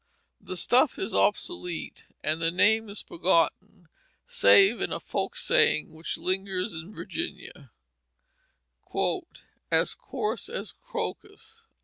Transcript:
The stuff is obsolete and the name is forgotten save in a folk saying which lingers in Virginia "as coarse as crocus."